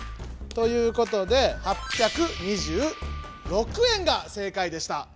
ということで８２６円が正解でした。